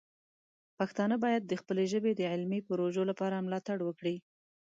پښتانه باید د خپلې ژبې د علمي پروژو لپاره مالتړ وکړي.